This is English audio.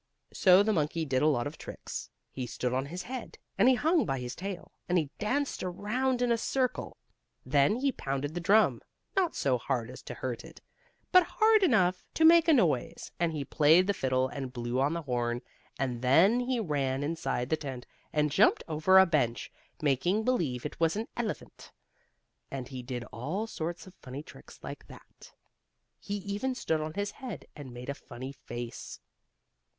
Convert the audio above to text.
So the monkey did a lot of tricks. He stood on his head, and he hung by his tail, and he danced around in a circle. Then he pounded the drum, not so hard as to hurt it, but hard enough to make a noise, and he played the fiddle and blew on the horn, and then he ran inside the tent and jumped over a bench, making believe it was an elephant, and he did all sorts of funny tricks like that. He even stood on his head, and made a funny face.